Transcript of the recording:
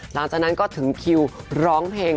หลังจากนั้นก็ถึงคิวร้องเพลง